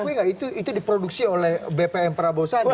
tapi ada pengakui gak itu diproduksi oleh bpm prabowo sana